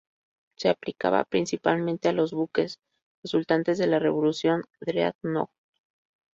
Se aplicaba principalmente a los buques resultantes de la revolución Dreadnought.